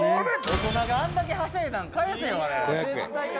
「大人があんだけはしゃいだん返せわれ」